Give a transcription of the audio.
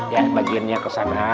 ya bagiannya kesana